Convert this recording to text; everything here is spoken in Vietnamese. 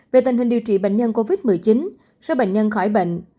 về tình hình điều trị bệnh nhân covid một mươi chín số bệnh nhân khỏi bệnh